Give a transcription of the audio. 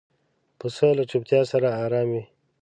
پسه له چوپتیا سره آرام وي.